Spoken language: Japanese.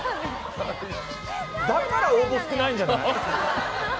だから応募少ないんじゃない？